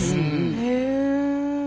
へえ。